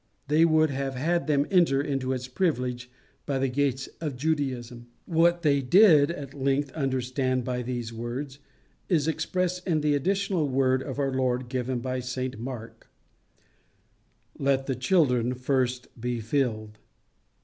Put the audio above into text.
They would have had them enter into its privileges by the gates of Judaism. What they did at length understand by these words is expressed in the additional word of our Lord given by St Mark: "Let the children first be filled."